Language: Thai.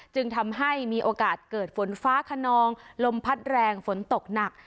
จึงทำให้มีโอกาสเกิดฝนฟ้าขนองลมพัดแรงฝนตกหนัก